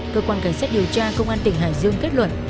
cơ quan cảnh sát điều tra công an tỉnh hải dương kết luận